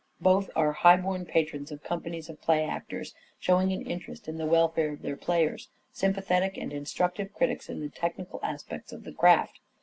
Both are high born patrons of companies of play actors, showing an interest in the welfare of their players, sympathetic and instructive critics in the technical aspects of the craft.